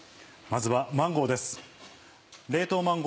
まずはマンゴーです。